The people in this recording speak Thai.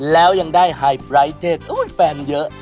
แล้วยังได้ไฮไลท์เทสแฟนเยอะ